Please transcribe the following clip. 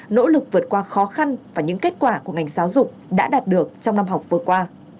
nỗ lực vượt qua khó khăn và những kết quả của ngành giáo dục đã đạt được trong năm học vừa qua